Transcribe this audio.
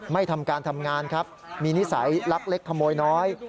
ไม่ทำการทำงานครับมีนิสัยลักเล็กขโมยน้อย